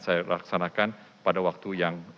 saya laksanakan pada waktu yang